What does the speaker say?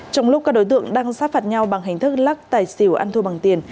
trong lúc các đối tượng đang sát phạt nhau bằng hình thức lắc tài xỉu ăn thua bằng tiền